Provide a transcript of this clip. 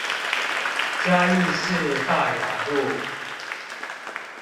嘉義市大雅路